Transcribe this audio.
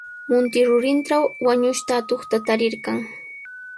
Munti rurintraw wañushqa atuqta tarirqan.